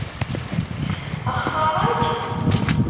Xtaṛen-k?